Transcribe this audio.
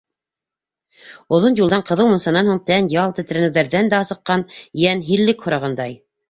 Оҙон юлдан, ҡыҙыу мунсанан һуң тән ял, тетрәнеүҙәрҙән та асыҡҡан йән һиллек һорағандай.